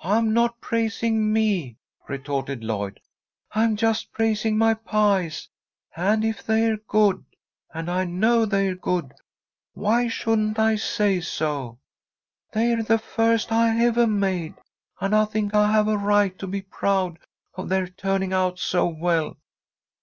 "I'm not praising me," retorted Lloyd. "I'm just praising my pies, and if they're good, and I know they're good, why shouldn't I say so? They're the first I evah made, and I think I have a right to be proud of their turning out so well.